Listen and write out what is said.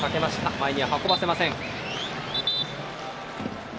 前に運ばせません。